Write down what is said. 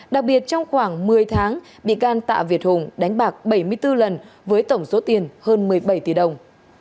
đặc biệt trong khoảng một mươi tháng bị can tạ việt hùng đánh bạc bảy mươi bốn lần với tổng số tiền hơn một mươi bảy tỷ đồng